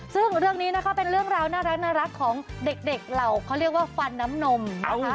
ซึ่งเรื่องนี้นะคะเป็นเรื่องราวน่ารักของเด็กเหล่าเขาเรียกว่าฟันน้ำนมนะคะ